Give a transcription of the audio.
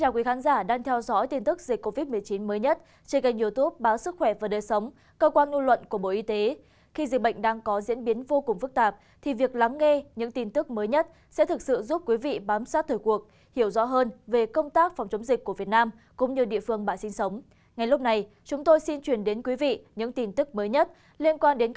các bạn hãy đăng ký kênh để ủng hộ kênh của chúng mình nhé